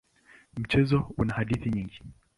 Mchezo una hadithi nyingine.